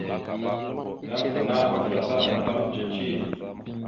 Yan ana avəlatal azlam cici.